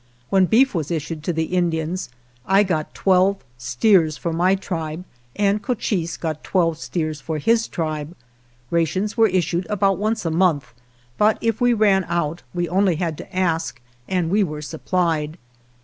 When beef was issued to the In dians I got twelve steers for my tribe, and Cochise got twelve steers for his tribe. Ra tions were issued about once a month, but if we ran out we only had to ask and we were supplied.